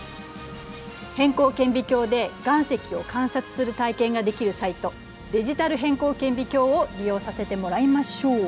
偏光顕微鏡で岩石を観察する体験ができるサイト「デジタル偏光顕微鏡」を利用させてもらいましょう。